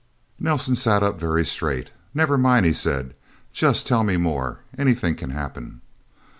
Nelsen sat up very straight. "Never mind," he said. "Just tell me more. Anything can happen."